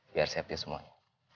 biar siapin semuanya